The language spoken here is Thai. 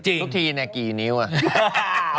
เมตรนะกี่นิ้วอ่ะ